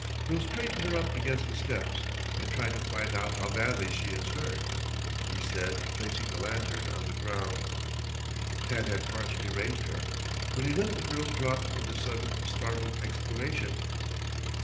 "We'll straighten her up against the steps, and try to find out how badly she is hurt," he said, placing the lantern on the ground. Tad had partially raised her, when he let the girl drop with a sudden, startled exclamation.